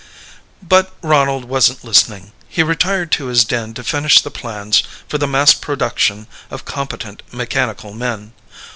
But Ronald wasn't listening. He retired to his den to finish the plans for the mass production of competent mechanical men.